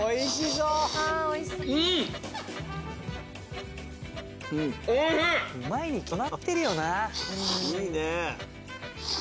うまいに決まってるよな。いいね。